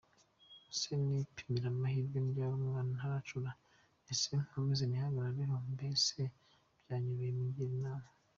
Ubuse nipimire amahirwe mbyare umwana ntaracura, ese nkomeze nihagarareho, mbese mbyanyobeye, mungire inama.